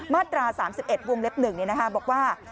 มาตรา๓๑วงเล็บ๑บอกว่า